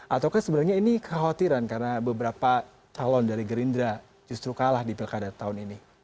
ataukah sebenarnya ini kekhawatiran karena beberapa calon dari gerindra justru kalah di pilkada tahun ini